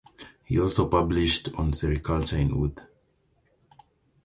He also published on sericulture in Oudh.